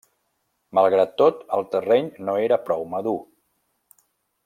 Malgrat tot, el terreny no era prou madur.